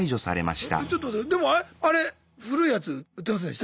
でもあれ古いやつ売ってませんでした？